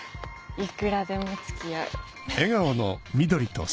いくらでも付き合う。